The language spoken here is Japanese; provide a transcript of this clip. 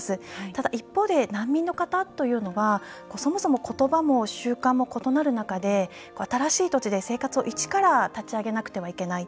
ただ、一方で難民の方はそもそも言葉も習慣も異なる中で新しい土地で生活を立ち上げないといけない。